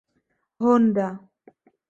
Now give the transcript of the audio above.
Honda.